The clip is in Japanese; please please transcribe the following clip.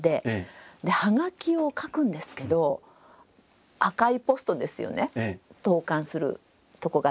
はがきを書くんですけど赤いポストですよね投かんするとこがあって。